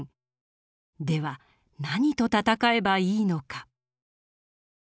では何と戦えばいいのか。